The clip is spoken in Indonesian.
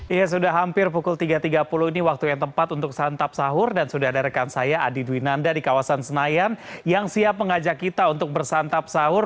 ya sudah hampir pukul tiga tiga puluh ini waktu yang tepat untuk santap sahur dan sudah ada rekan saya adi dwinanda di kawasan senayan yang siap mengajak kita untuk bersantap sahur